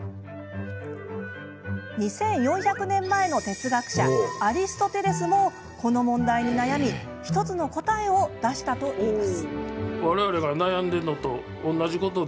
２４００年前の哲学者アリストテレスもこの問題に悩み１つの答えを出したといいます。